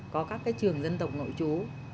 có các trường dân tộc nội trú